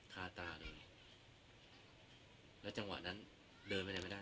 คาตาเลยแล้วจังหวะนั้นเดินไปไหนไม่ได้